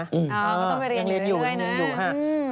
อ๋อก็ต้องไปเรียนเรื่อยนะ